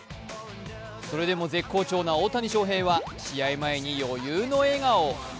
それでも絶好調な大谷翔平は試合前に余裕の笑顔。